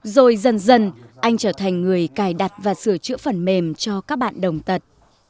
rồi dần dần anh trở thành người cài đặt và sửa chữa phần mềm cho các bạn đồng tật